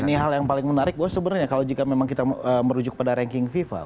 ini hal yang paling menarik bahwa sebenarnya kalau jika memang kita merujuk pada ranking fifa